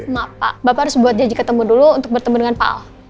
maaf pak bapak harus membuat janji ketemu dulu untuk bertemu dengan pak al